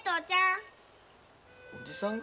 おじさんが？